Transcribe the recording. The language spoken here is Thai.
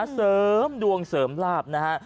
เสริมดวงเสริมลาบนะฮะ